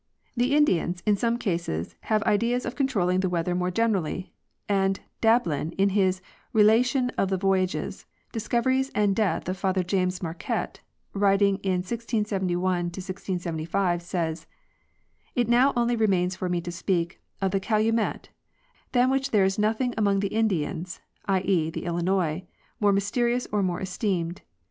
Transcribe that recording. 41 The Indians in some cases have ideas of controlling the weather more generally, and Dablin, in his "* Relation of the Voyages, Discoveries and Death of Father James Marquette,' writing in 1671 1675, says: It now only remains for me to speak of the calumet, than which there 'is nothing among the Indians [7. e., the Illinois] more mysterious or more esteemed.